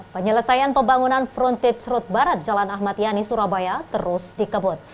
penyelesaian pembangunan frontage road barat jalan ahmad yani surabaya terus dikebut